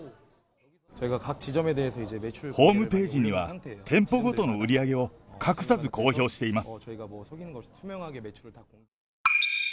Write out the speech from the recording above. ホームページには、店舗ごとの売り上げを隠さず公表しています。